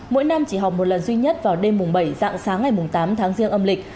mỗi năm chỉ học một lần duy nhất vào đêm bảy dạng sáng ngày tám tháng riêng âm lịch